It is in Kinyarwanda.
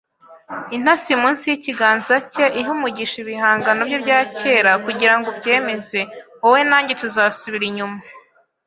intasi munsi yikiganza cye, ihe umugisha ibihangano bye bya kera, kugirango ubyemeze. Wowe na njye tuzasubira inyuma